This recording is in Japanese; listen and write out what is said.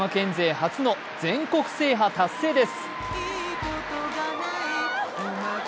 初の全国制覇達成です。